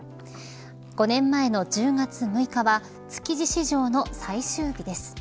５年前の１０月６日は築地市場の最終日です。